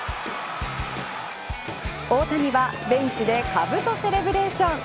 大谷はベンチでかぶとセレブレーション。